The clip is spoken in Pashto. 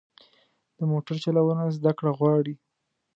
د موټر چلوونه زده کړه غواړي.